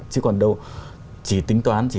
chứ còn đâu chỉ tính toán chỉ